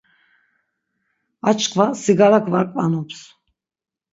Aşǩva sigarak var ǩvanums.